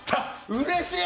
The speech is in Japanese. うれしい！